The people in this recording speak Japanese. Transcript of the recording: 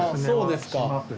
そうですか。